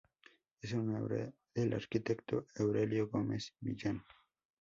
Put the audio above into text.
Es obra del arquitecto Aurelio Gómez Millán.